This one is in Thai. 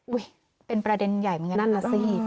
อุ้ยเป็นประเด็นใหญ่เมื่อนั้นล่ะนะสิ